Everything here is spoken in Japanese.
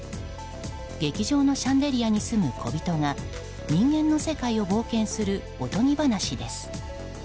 劇場のシャンデリアに住む小人が人間の世界を冒険する、おとぎ話です。